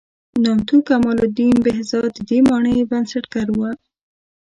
نامتو کمال الدین بهزاد د دې مانۍ بنسټګر و.